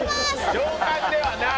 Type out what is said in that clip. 上官ではない！